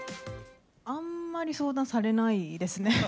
あんまり相談されないですね。